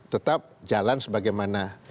tetap jalan sebagaimana